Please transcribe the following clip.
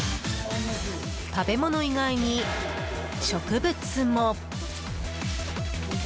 食べ物以外に、植物も。